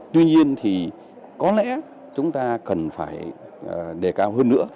tuy nhiên thì có lẽ chúng ta cần phải đề cao hơn nữa